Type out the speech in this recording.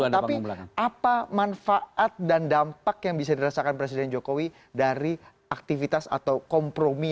tapi apa manfaat dan dampak yang bisa dirasakan presiden jokowi dari aktivitas atau kompromi